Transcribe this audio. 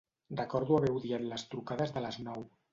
Recordo haver odiat les trucades de les nou.